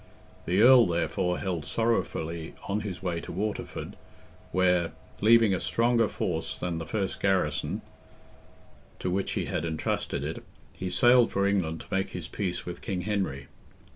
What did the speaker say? The Earl, therefore, held sorrowfully on his way to Waterford, where, leaving a stronger force than the first garrison, to which he had entrusted it, he sailed for England to make his peace with King Henry.